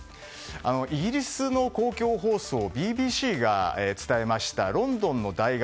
イギリスの公共放送ＢＢＣが伝えましたロンドンの大学